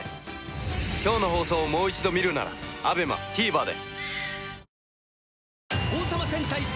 今日の放送をもう一度見るならＡＢＥＭＡＴＶｅｒで。